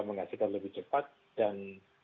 menghasilkan lebih cepat dan